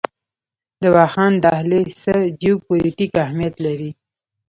د واخان دهلیز څه جیوپولیټیک اهمیت لري؟